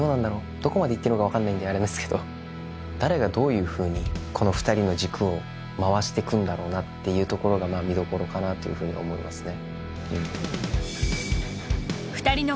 どこまで言っていいのかわかんないんでアレですけど誰がどういうふうにこの二人の軸を回していくんだろうなっていうところが見どころかなというふうに思いますね